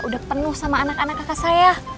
udah penuh sama anak anak kakak saya